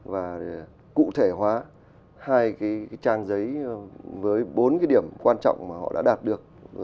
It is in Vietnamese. và cụ thể hóa hai cái trang giấy với bốn cái điểm quan trọng mà họ đã đạt được